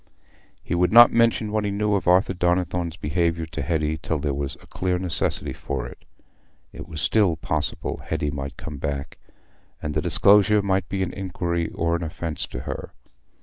He would not mention what he knew of Arthur Donnithorne's behaviour to Hetty till there was a clear necessity for it: it was still possible Hetty might come back, and the disclosure might be an injury or an offence to her.